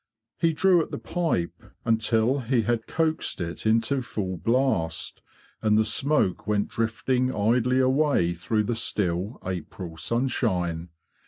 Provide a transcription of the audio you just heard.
He drew at the pipe until he had coaxed it into full blast, and the smoke went drifting idly away through the still April sunshine.